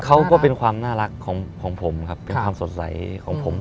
เขาก็เป็นความน่ารักของผมครับเป็นความสดใสของผม